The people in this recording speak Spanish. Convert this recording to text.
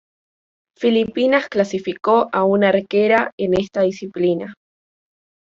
Filipinas clasificó a una arquera en esta disciplina.